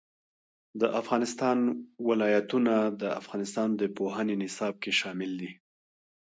د افغانستان ولايتونه د افغانستان د پوهنې نصاب کې شامل دي.